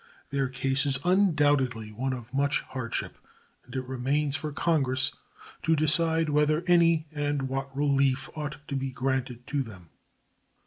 Their case is undoubtedly one of much hardship, and it remains for Congress to decide whether any, and what, relief ought to be granted to them.